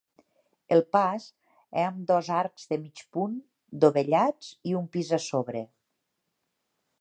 El pas és amb dos arcs de mig punt dovellats i un pis a sobre.